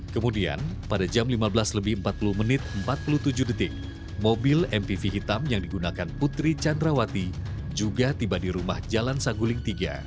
kemudian pada jam lima belas lebih empat puluh menit empat puluh tujuh detik mobil mpv hitam yang digunakan putri candrawati juga tiba di rumah jalan saguling tiga